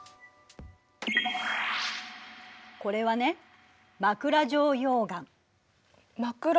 これはね枕状溶岩。